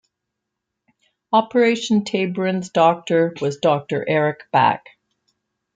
Operation Tabarin's doctor was Doctor Eric Back.